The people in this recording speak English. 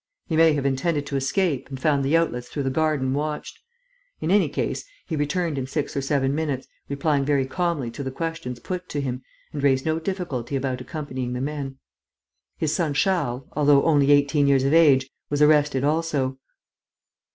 He may have intended to escape and found the outlets through the garden watched. In any case, he returned in six or seven minutes, replied very calmly to the questions put to him and raised no difficulty about accompanying the men. His son Charles, although only eighteen years of age, was arrested also."